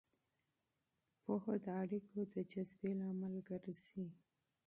پوهه د اړیکو د جذبې لامل ګرځي.